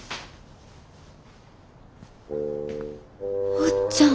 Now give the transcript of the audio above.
おっちゃん。